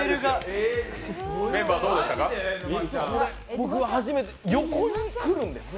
僕は初めて横来るんですね？